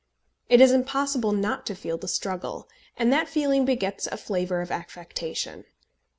It is impossible not to feel the struggle, and that feeling begets a flavour of affectation.